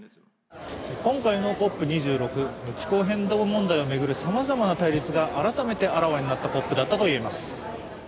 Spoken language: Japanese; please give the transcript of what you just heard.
今回のＣＯＰ２６、気候変動問題を巡る様々な対立が改めてあらわになったＣＯＰだったと言えます。